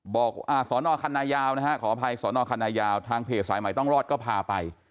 สอนอคันนายาวนะฮะขออภัยสอนอคันนายาวทางเพจสายใหม่ต้องรอดก็พาไป